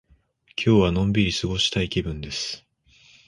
今日はのんびり過ごしたい気分です。